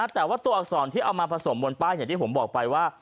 แต่ว่าตัวอักษรที่เอามาผสมบนป้ายอย่างที่ผมบอกไปว่า